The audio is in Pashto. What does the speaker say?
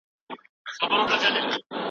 د مطالعې په ترڅ کې پوهه زیاتیدلی شي.